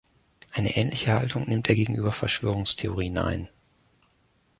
Eine ähnliche Haltung nimmt er gegenüber Verschwörungstheorien ein.